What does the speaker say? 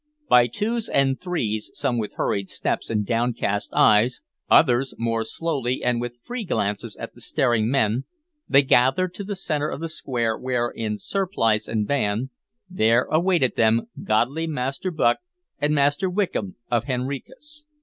By twos and threes, some with hurried steps and downcast eyes, others more slowly and with free glances at the staring men, they gathered to the centre of the square, where, in surplice and band, there awaited them godly Master Bucke and Master Wickham of Henricus.